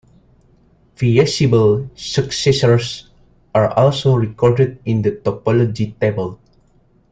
Feasible successors are also recorded in the topology table.